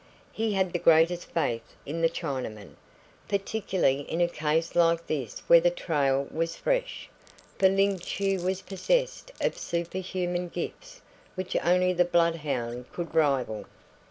He had the greatest faith in the Chinaman, particularly in a case like this where the trail was fresh, for Ling Chu was possessed of super human gifts which only the blood hound could rival.